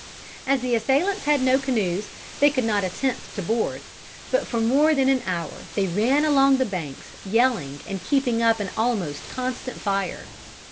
As the assailants had no canoes, they could not attempt to board, but for more than an hour they ran along the banks yelling and keeping up an almost constant fire.